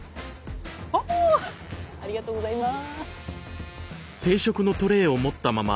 ありがとうございます。